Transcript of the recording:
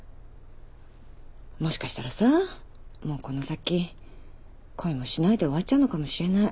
もしかしたらさもうこの先恋もしないで終わっちゃうのかもしれない。